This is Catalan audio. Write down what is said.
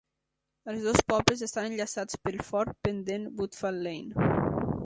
Els dos pobles estan enllaçats pel fort pendent Woodfall Lane.